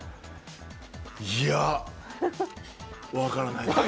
いや分からないです。